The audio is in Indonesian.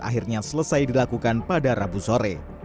akhirnya selesai dilakukan pada rabu sore